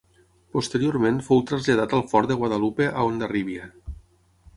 Posteriorment fou traslladat al fort de Guadalupe a Hondarribia.